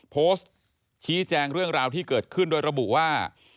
โพสต์ชี้แจงเรื่องราวที่เกิดขึ้นโดยระบุว่า